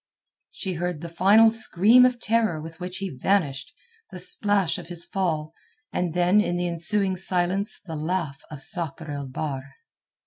She heard the final scream of terror with which he vanished, the splash of his fall, and then in the ensuing silence the laugh of Sakr el Bahr.